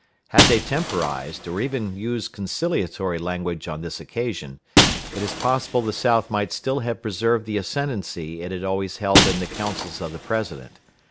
Had they temporized, or even used conciliatory language on this occasion, it is possible the South might still have preserved the ascendancy it had always held in the councils of the President.